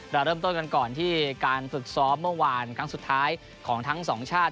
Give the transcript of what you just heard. เราเริ่มต้นกันก่อนที่การฝึกซ้อมเมื่อวานครั้งสุดท้ายของทั้งสองชาติ